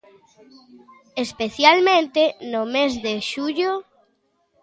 Especialmente no mes de xullo.